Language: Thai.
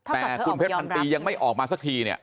แต่คุณเพชรพันปียังไม่ออกมาสักทีเนี่ย